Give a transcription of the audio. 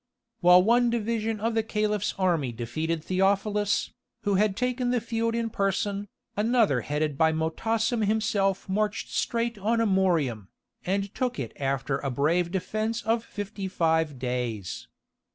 While one division of the Caliph's army defeated Theophilus, who had taken the field in person, another headed by Motassem himself marched straight on Amorium, and took it after a brave defence of fifty five days.